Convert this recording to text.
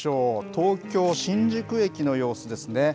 東京・新宿駅の様子ですね。